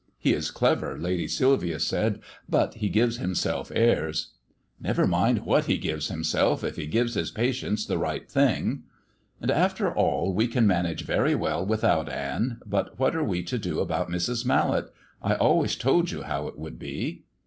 He is clever, Lady Sylvia said, but he gives himself airs." "Never mind what he gives himself if he gives his patients the right thing." "And after all we can manage very well without Ann, but what are we to do about Mrs. Mallet? I always told you how it would be."